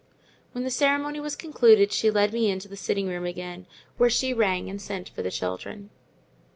When the ceremony was concluded, she led me into the sitting room again, where she rang and sent for the children.